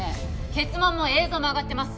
血紋も映像もあがってます